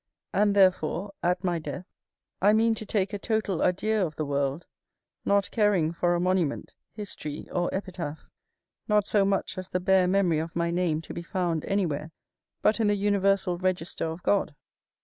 And therefore, at my death, I mean to take a total adieu of the world, not caring for a monument, history, or epitaph; not so much as the bare memory of my name to be found anywhere, but in the universal register of God.